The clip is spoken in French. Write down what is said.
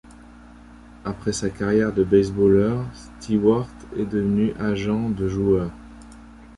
Après sa carrière de baseballeur, Stewart est devenu agent de joueurs.